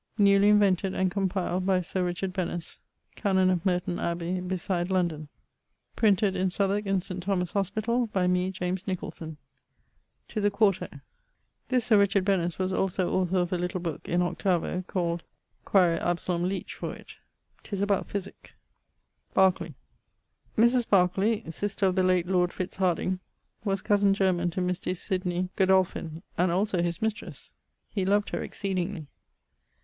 ✠ Newlye invented and compiled by Syr Rycharde Benese, chanon of Marton Abbay besyde London. ¶ Printed in Southwarke in Saint Thomas hospital by me James Nicolson. 'Tis a quarto. This Sir Richard Benese was also author of a little booke, in 8vo, called.... : quaere Absolom Leech for it 'tis about physick. =Berkeley.= Mris ... Barckley, sister of the late lord Fitz Harding, was cosen german to Mr. Sydney Godolphin, and also his mistresse. He loved her exceedingly.